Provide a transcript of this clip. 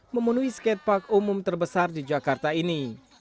memenuhi skatepark umum terbesar di jakarta ini